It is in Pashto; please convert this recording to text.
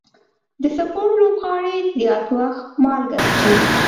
د سپورټ لوبغاړي زیات وخت مالګه څښي.